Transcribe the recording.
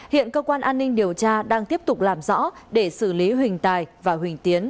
hiện cơ quan an ninh điều tra đang tiếp tục làm rõ để xử lý huỳnh tài và huỳnh tiến